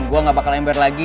gue gak bakal ember lagi